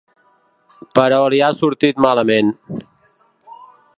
Però li ha sortit malament.